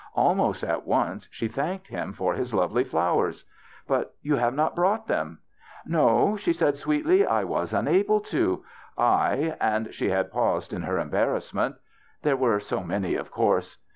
Almost at once she thanked him for his lovely flowers. " But you have not brought them." " No," she said, sweetly. " I was unable to —■ I," and she had paused in her embarrassment. THE BACHELORS CHRISTMAS 25 " There were so many, of course."